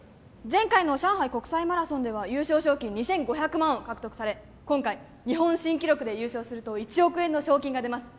前回の上海国際マラソンでは優勝賞金２５００万を獲得され今回日本新記録で優勝すると１億円の賞金が出ます